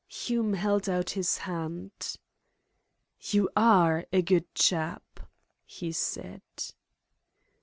Hume held out his hand, "You are a good chap," he said.